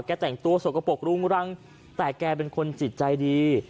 แต่งตัวสกปรกรุงรังแต่แกเป็นคนจิตใจดี